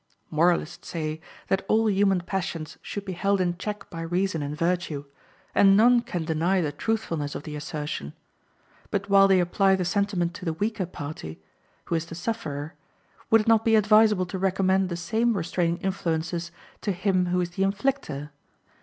Moralists say that all human passions should be held in check by reason and virtue, and none can deny the truthfulness of the assertion. But while they apply the sentiment to the weaker party, who is the sufferer, would it not be advisable to recommend the same restraining influences to him who is the inflictor?